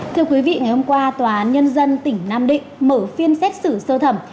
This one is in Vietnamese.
thưa quý vị ngày hôm qua tòa án nhân dân tỉnh nam định mở phiên xét xử sơ thẩm